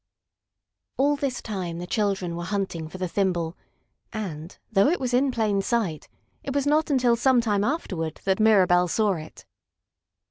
All this time the children were hunting for the thimble, and, though it was in plain sight, it was not until some time afterward that Mirabell saw it.